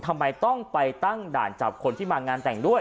ทำไมต้องไปตั้งด่านจับคนที่มางานแต่งด้วย